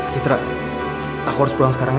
kita harus pulang sekarang ya